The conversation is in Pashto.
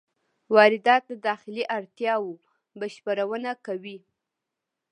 واردات د داخلي اړتیاوو بشپړونه کوي.